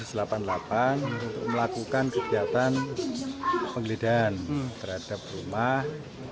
menangkap densus delapan puluh delapan untuk melakukan kegiatan penggeledahan terhadap rumah